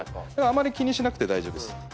あまり気にしなくて大丈夫です。